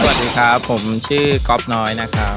สวัสดีครับผมชื่อก๊อฟน้อยนะครับ